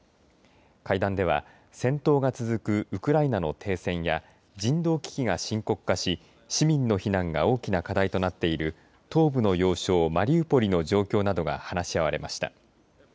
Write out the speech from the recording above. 会談では戦闘が続くウクライナの停戦や人道危機が深刻化し市民の避難が大きな課題となっている東部の要衝マリウポリの状況などが話し合われました。